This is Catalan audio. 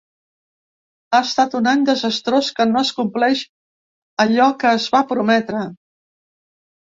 Ha estat un any desastrós que no es compleix allò que es va prometre.